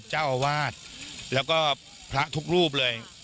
เจ้าอ้าวาทเราก็พระทุกรูปเลย